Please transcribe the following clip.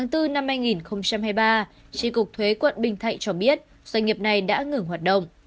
tháng bốn năm hai nghìn hai mươi ba tri cục thuế quận bình thạnh cho biết doanh nghiệp này đã ngừng hoạt động